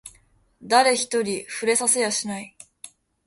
誰一人触れさせやしない